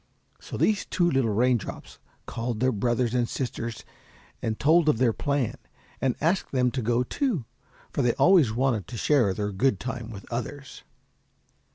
So these two little raindrops called their brothers and sisters and told of their plan, and asked them to go, too, for they always wanted to share their good time with others.